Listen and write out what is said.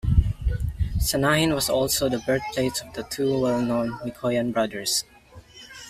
Sanahin was also the birthplace of the two well-known Mikoyan brothers.